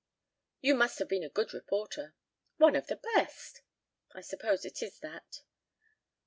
"You must have been a good reporter." "One of the best." "I suppose it is that."